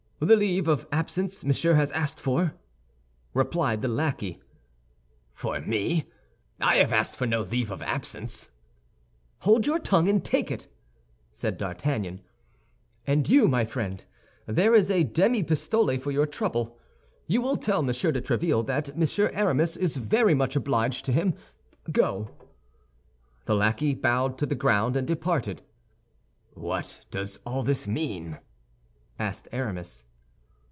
"The leave of absence Monsieur has asked for," replied the lackey. "For me! I have asked for no leave of absence." "Hold your tongue and take it!" said D'Artagnan. "And you, my friend, there is a demipistole for your trouble; you will tell Monsieur de Tréville that Monsieur Aramis is very much obliged to him. Go." The lackey bowed to the ground and departed. "What does all this mean?" asked Aramis.